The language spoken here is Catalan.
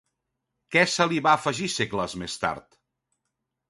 Què se li va afegir segles més tard?